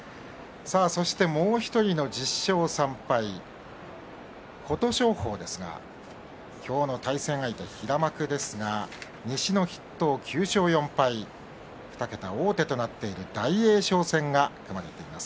そして、もう１人の１０勝３敗琴勝峰ですが、今日の一番相手は平幕ですが西の筆頭、９勝４敗２桁王手となっている大栄翔戦が組まれています。